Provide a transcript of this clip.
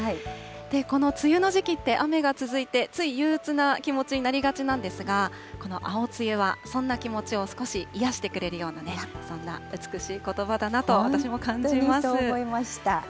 この梅雨の時期って雨が続いて、つい憂うつな気持ちになりがちなんですが、この青梅雨はそんな気持ちを少し癒やしてくれるようなね、そんな美しいことばだなと、本当にそう思いました。